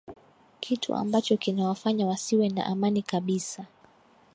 kitu ambacho kinawafanya wasiwe na amani kabisa